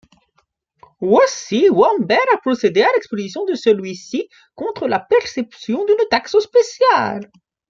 Aussi, Wombwell a procédé à l'exposition de celui-ci contre la perception d'une taxe spéciale.